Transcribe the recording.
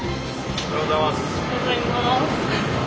おはようございます。